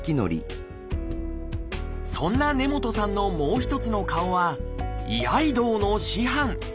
そんな根本さんのもう一つの顔は居合道の師範。